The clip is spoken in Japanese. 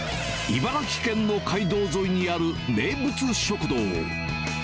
茨城県の街道沿いにある名物食堂。